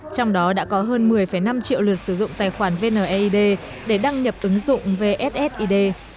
trong đó đã có hơn một mươi năm triệu lượt sử dụng tài khoản vneid để đăng nhập ứng dụng vssid